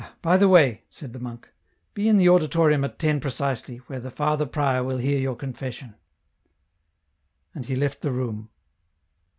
Ah, by the way," said the monk, *' be in the auditorium at ten precisely, where the Father Prior will hear your confession." And he left the room.